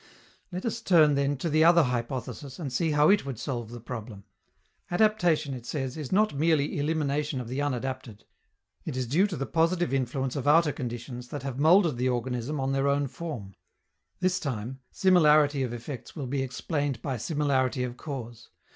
Let us turn, then, to the other hypothesis, and see how it would solve the problem. Adaptation, it says, is not merely elimination of the unadapted; it is due to the positive influence of outer conditions that have molded the organism on their own form. This time, similarity of effects will be explained by similarity of cause.